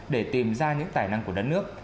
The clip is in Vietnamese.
để tìm ra những tài năng của đất nước